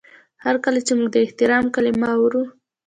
هر کله چې موږ د احترام کلمه اورو